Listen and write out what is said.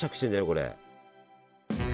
これ。